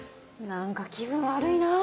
何か気分悪いなぁ。